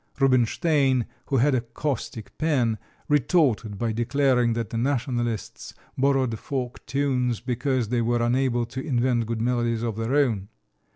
Rubinstein, who had a caustic pen, retorted by declaring that the nationalists borrowed folk tunes because they were unable to invent good melodies of their own.